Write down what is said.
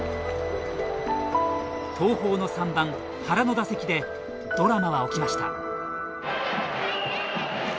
東邦の３番・原の打席でドラマは起きました。